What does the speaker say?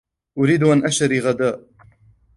أريد أن أشترى غذاء.